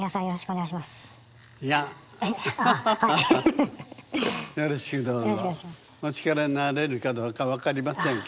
お力になれるかどうか分かりませんけれど。